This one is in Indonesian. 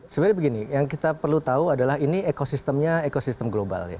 sebenarnya begini yang kita perlu tahu adalah ini ekosistemnya ekosistem global ya